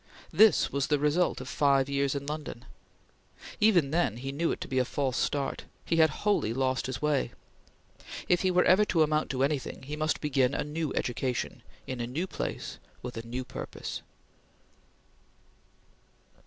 This was the result of five years in London. Even then he knew it to be a false start. He had wholly lost his way. If he were ever to amount to anything, he must begin a new education, in a new place, with a new purpose.